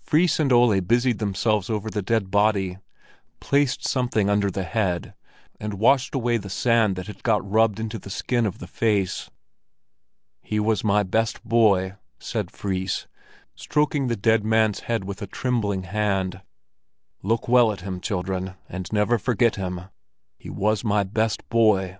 Fris and Ole busied themselves over the dead body, placed something under the head, and washed away the sand that had got rubbed into the skin of the face. "He was my best boy," said Fris, stroking the dead man's head with a trembling hand. "Look well at him, children, and never forget him again; he was my best boy."